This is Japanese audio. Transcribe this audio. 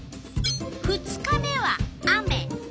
２日目は雨。